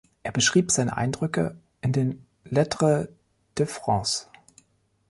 Er beschrieb seine Eindrücke in den "Lettres de France".